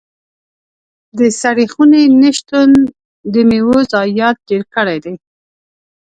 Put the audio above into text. د سړې خونې نه شتون د میوو ضايعات ډېر کړي دي.